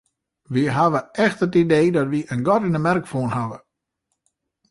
Wy hawwe echt it idee dat wy in gat yn 'e merk fûn hawwe.